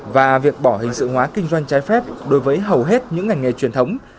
và việc bỏ hình sự hóa kinh doanh trái phép đối với hầu hết những ngành nghề truyền thống